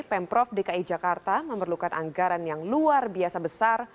pemprov dki jakarta memerlukan anggaran yang luar biasa besar